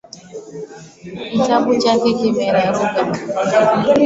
Kitabu chake kimeraruka